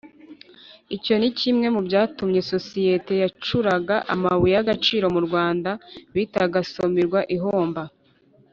icyo ni kimwe mu byatumye yasosiyete yacukuraga amabuye y'agaciro mu rwanda bitaga somirwa ihomba